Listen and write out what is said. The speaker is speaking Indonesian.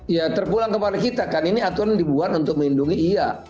ya terpulang kepada kita kan ini aturan dibuat untuk melindungi iya